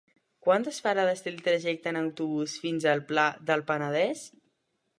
Quantes parades té el trajecte en autobús fins al Pla del Penedès?